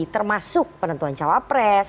termasuk penentuan cawapres